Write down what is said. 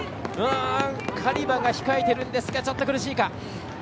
カリバが控えているんですがちょっと苦しいか。